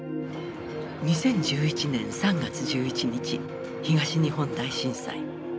２０１１年３月１１日東日本大震災。